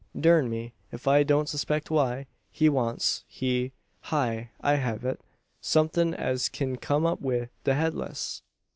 Durn me, ef I don't suspect why. He wants he heigh I hev it somethin' as kin kum up wi' the Headless!